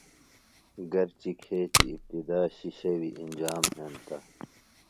گر چہ کھیچیۡ ابتدا شِشیویۡ انجام ہنتہ۔